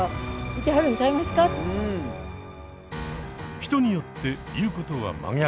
人によって言うことは真逆。